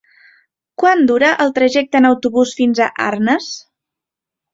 Quant dura el trajecte en autobús fins a Arnes?